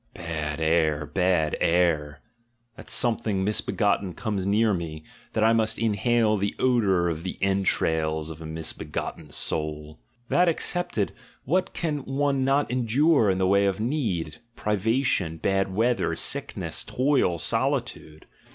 Bad air! Bad air! 26 THE GENEALOGY OF MORALS That something misbegotten comes near me; that I must inhale the odour of the entrails of a misbegotten soul! —■ That excepted, what can one not endure in the way of need, privation, bad weather, sickness, toil, solitude?